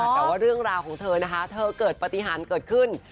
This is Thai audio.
แต่ว่าเรื่องราวของเธอนะคะเธอเกิดปฏิหารเกิดขึ้น